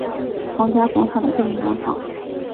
皇家广场的著名广场。